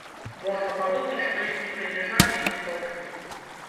Можна падумаць, што іх не прыніжалі і не таўклі!